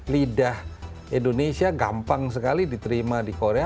lidah indonesia gampang sekali diterima di korea